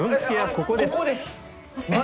「ここです」